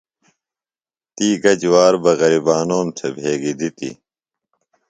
تی گہ جُوار بہ غریبانوم تھےۡ بھگیۡ دِتیۡ؟